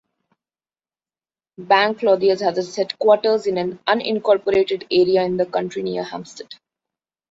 Bank Clothiers has its headquarters in an unincorporated area in the county, near Hampstead.